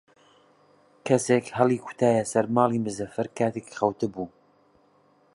کەسێک هەڵی کوتایە سەر ماڵی مزەفەر کاتێک خەوتبوو.